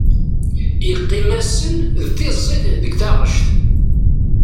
Yeqqim-asen d tiẓẓit deg taɣect.